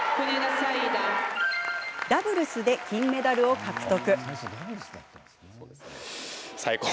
ダブルスで金メダルを獲得。